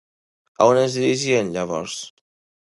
A on es dirigiren, llavors?